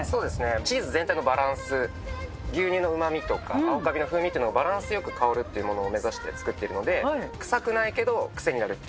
チーズ全体のバランス、牛乳のうまみとか青カビの風味というのが、バランスよく香るっていうものを目指して作っているので、臭くないけど、癖になるって